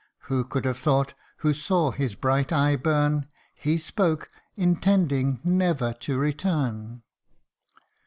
Who could have thought, who saw his bright eye burn, He spoke intending never to return